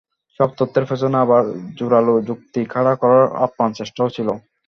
সব তত্ত্বের পেছনে আবার জোরালো যুক্তি খাড়া করার আপ্রাণ চেষ্টাও ছিল।